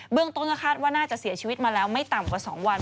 เรื่องต้นก็คาดว่าน่าจะเสียชีวิตมาแล้วไม่ต่ำกว่า๒วัน